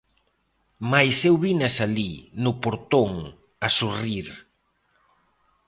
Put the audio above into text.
Mais eu vinas alí, no portón, a sorrir.